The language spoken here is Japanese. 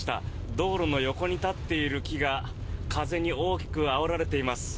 道路の横に立っている木が風に大きくあおられています。